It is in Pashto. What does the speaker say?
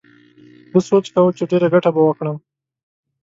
ده سوچ کاوه چې ډېره گټه به وکړم.